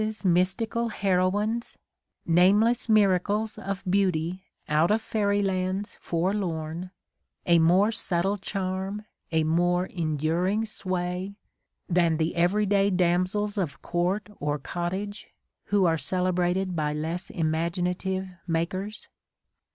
Morris's mystical heroines — nameless miracles of beauty out of faery lands forlorn — a more subtle charm, a more enduring sway, than the every day damsels of court or cottage who are celebra ted by less imaginative "makers"?